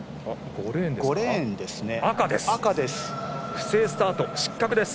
５レーンです、赤です。